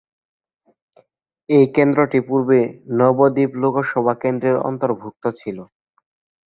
এই কেন্দ্রটি পূর্বে নবদ্বীপ লোকসভা কেন্দ্রের অন্তর্গত ছিল।